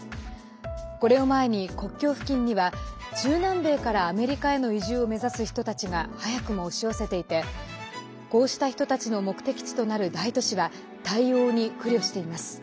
これを前に国境付近には中南米からアメリカへの移住を目指す人たちが早くも押し寄せていてこうした人たちの目的地となる大都市は、対応に苦慮しています。